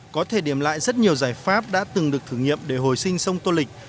có thể điểm lại rất nhiều giải pháp đã từng được thử nghiệm để hồi sinh sông tô lịch